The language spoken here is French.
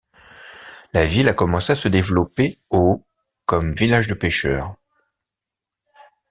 La ville a commencé à se développer au comme village de pêcheurs.